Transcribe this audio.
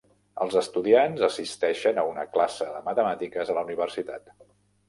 Els estudiants assisteixen a una classe de matemàtiques a la universitat.